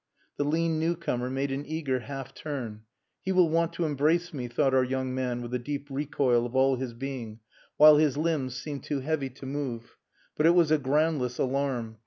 The lean new comer made an eager half turn. "He will want to embrace me," thought our young man with a deep recoil of all his being, while his limbs seemed too heavy to move. But it was a groundless alarm.